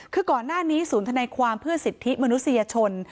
คือก่อนหน้านี้ศูนย์ธนายความเพื่อสิทธิมนุษยชน